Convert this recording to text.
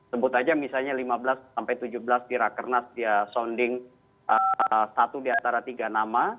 sebut aja misalnya lima belas sampai tujuh belas di raker nas dia sounding satu diantara tiga nama